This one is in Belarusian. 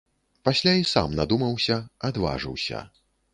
Пасля і сам надумаўся, адважыўся.